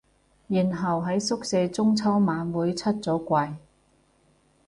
然後喺宿舍中秋晚會出咗櫃